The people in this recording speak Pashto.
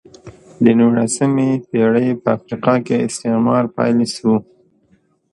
د نولسمې پېړۍ په افریقا کې استعمار پیل شو.